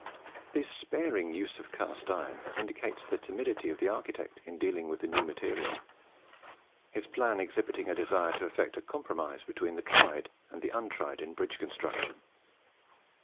This sparing use of cast iron indicates the timidity of the architect in dealing with the new material his plan exhibiting a desire to effect a compromise between the tried and the untried in bridge construction.